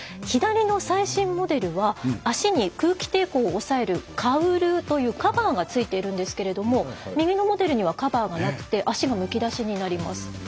左の最新モデルは足に空気抵抗を抑えるカウルというカバーがついているんですけど右のモデルにはカバーがなくて足も、むき出しになります。